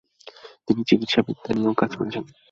তিনি চিকিৎসাবিদ্যা নিয়েও কাজ করেছেন।